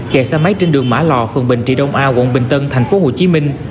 kẹt xe máy trên đường mã lò phường bình trị đông a quận bình tân tp hcm